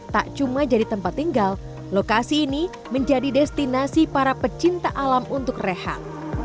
tak cuma jadi tempat tinggal lokasi ini menjadi destinasi para pecinta alam untuk rehab